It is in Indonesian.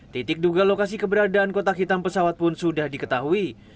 titik duga lokasi keberadaan kotak hitam pesawat pun sudah diketahui